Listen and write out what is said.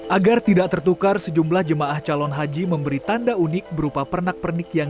agar tidak tertukar sejumlah jemaah calon haji memberi tanda unik berupa pernak pernik yang